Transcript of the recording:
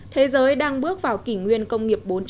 thế giới đang bước vào kỷ nguyên công nghiệp bốn